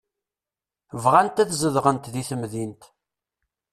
Bɣant ad zedɣent di temdint.